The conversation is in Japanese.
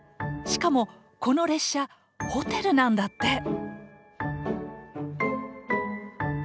しかもこの列車ホテルなんだって！